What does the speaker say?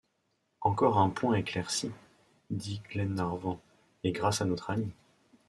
Encore un point éclairci! dit Glenarvan, et grâce à notre ami.